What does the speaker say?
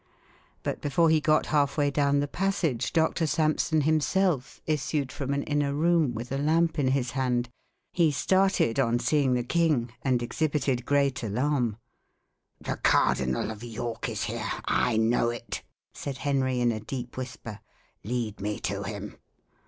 But before he got half way down the passage, Doctor Sampson himself issued from an inner room with a lamp in his hand. He started on seeing the king, and exhibited great alarm. "The Cardinal of York is here I know it," said Henry in a deep whisper. "Lead me to him."